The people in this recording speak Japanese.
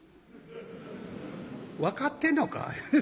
「分かってんのか？」。